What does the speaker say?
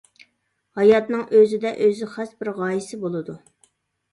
ھاياتنىڭ ئۆزىدە، ئۆزىگە خاس بىر غايىسى بولىدۇ.